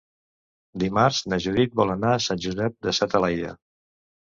Dimarts na Judit vol anar a Sant Josep de sa Talaia.